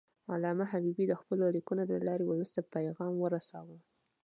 علامه حبیبي د خپلو لیکنو له لارې ولس ته پیغام ورساوه.